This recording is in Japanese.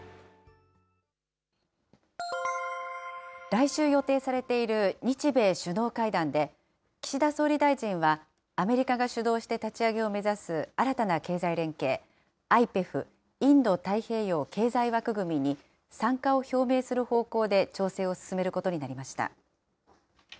来週予定されている日米首脳会談で、岸田総理大臣は、アメリカが主導して立ち上げを目指す新たな経済連携、ＩＰＥＦ・インド太平洋経済枠組みに参加を表明する方向で、調整を進めることになりました。